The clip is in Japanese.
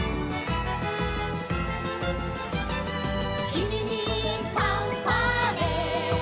「君にファンファーレ」